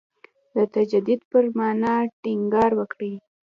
د تجدید پر معنا ټینګار وکړي.